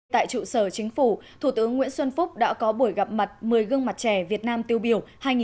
tại trụ sở chính phủ thủ tướng nguyễn xuân phúc đã có buổi gặp mặt một mươi gương mặt trẻ việt nam tiêu biểu hai nghìn một mươi chín